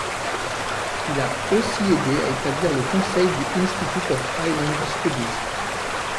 Il a aussi aidé à établir le conseil du Institute of Island Studies.